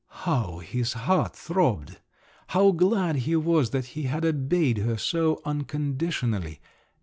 How his heart throbbed! How glad he was that he had obeyed her so unconditionally!